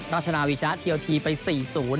ราชนาวิชาทีโอทีไป๔๐